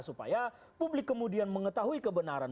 supaya publik kemudian mengetahui kebenaran